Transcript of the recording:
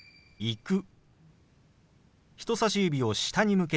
「行く」。